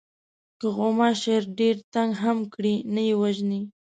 که غوماشی ډېر تنگ هم کړي نه یې وژنې.